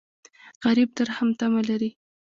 غریب د رحم تمه لري